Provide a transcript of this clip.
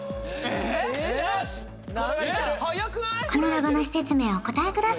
このロゴの施設名をお答えください